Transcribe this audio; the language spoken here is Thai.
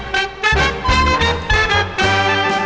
โปรดติดตามต่อไป